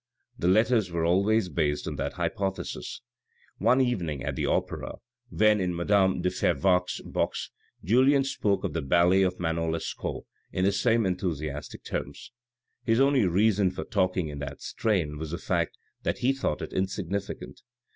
The letters were always based on that hypothesis. One evening at the opera, when in madame de Fervaques' box, Julien spoke of the ballet of Manon Lescaut in the most enthusiastic terms. His only reason for talking in that strain was the fact that he thought it insignificant.